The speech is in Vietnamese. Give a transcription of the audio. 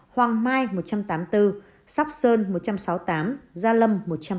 hoàng mai một trăm tám mươi bốn sóc sơn một trăm sáu mươi tám gia lâm một trăm ba mươi